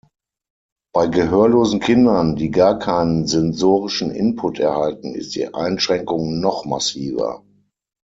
Bei gehörlosen Kindern, die gar keinen sensorischen Input erhalten, ist die Einschränkung noch massiver.